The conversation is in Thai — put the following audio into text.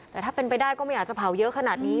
แต่ถ้าเป็นไปได้ก็ไม่อยากจะเผาเยอะขนาดนี้